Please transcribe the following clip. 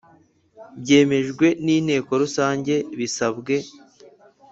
Byemejwe N Inteko Rusange Bisabwe